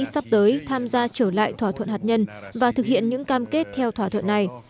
sắp tới tham gia trở lại thỏa thuận hạt nhân và thực hiện những cam kết theo thỏa thuận này